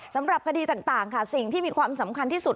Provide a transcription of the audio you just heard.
สำหรับคดีต่างค่ะสิ่งที่มีความสำคัญที่สุด